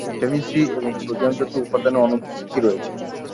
তবে, vitamin C এবং সোডিয়ামজাতীয় উপাদানের অনুপস্থিতি রয়েছে।